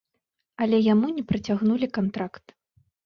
Але яму не працягнулі кантракт.